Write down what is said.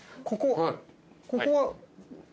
ここは。